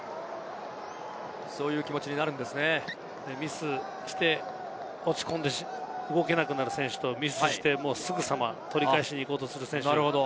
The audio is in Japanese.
そういう気持ちに、ミスをして落ち込んで動けなくなる選手と、ミスしてすぐさま取り返しに行こうとする選手。